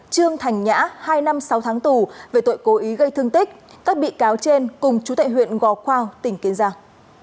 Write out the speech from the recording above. trương thành nhã hai năm sáu tháng tù về tội cố ý gây thương tích các bị cáo trên cùng chú tệ huyện gò quao tỉnh kiên giang